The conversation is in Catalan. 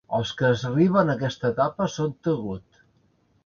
Els que arriben a aquesta etapa són "taghut".